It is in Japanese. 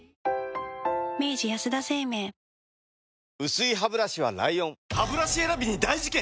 薄いハブラシは ＬＩＯＮハブラシ選びに大事件！